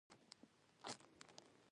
دلته نوی کس په لومړي ځل په تنګ کېږي.